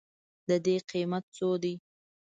د دې قیمت څو دی؟